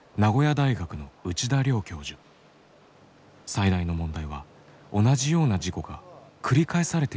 最大の問題は同じような事故が繰り返されていることだといいます。